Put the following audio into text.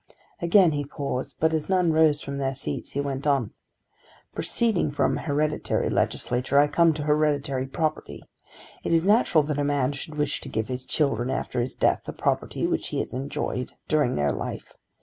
Again he paused, but as none rose from their seats he went on, "Proceeding from hereditary legislature I come to hereditary property. It is natural that a man should wish to give to his children after his death the property which he has enjoyed during their life.